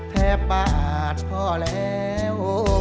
แทบปาดพอแล้ว